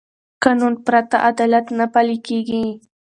قانون پرته عدالت نه پلي کېږي